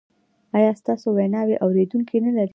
ایا ستاسو ویناوې اوریدونکي نلري؟